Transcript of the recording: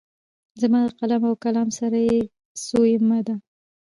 زما له قلم او کلام سره یې څویمه ده.